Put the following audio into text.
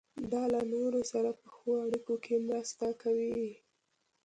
دا له نورو سره په ښو اړیکو کې مرسته کوي.